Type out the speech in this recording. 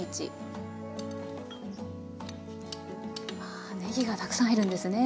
あぁねぎがたくさん入るんですね。